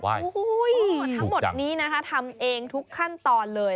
อุ้ยถูกจังทั้งหมดนี้นะคะทำเองทุกขั้นตอนเลย